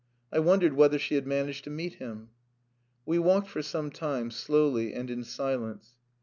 I wondered whether she had managed to meet him. We walked for some time, slowly and in silence.